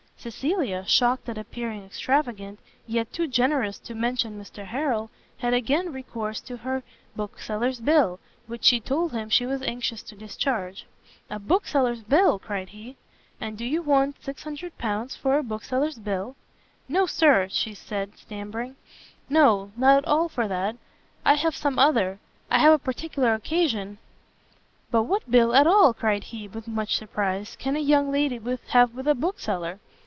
Cecilia, shocked at appearing extravagant, yet too generous to mention Mr Harrel, had again recourse to her bookseller's bill, which she told him she was anxious to discharge. "A bookseller's bill?" cried he; "and do you want L600 for a bookseller's bill?" "No, Sir," said she, stammering, "no, not all for that, I have some other I have a particular occasion " "But what bill at all," cried he, with much surprise, "can a young lady have with a bookseller?